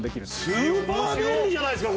スーパー便利じゃないですか！